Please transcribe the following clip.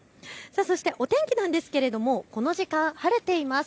そしてお天気なんですがこの時間、晴れています。